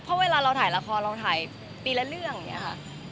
เพราะเวลาเราถ่ายละครเราถ่ายปีละเรื่องอย่างนี้ค่ะ